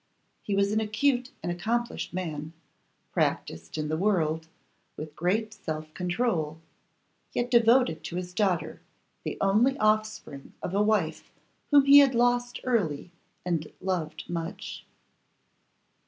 He was an acute and accomplished man, practised in the world, with great self control, yet devoted to his daughter, the only offspring of a wife whom he had lost early and loved much.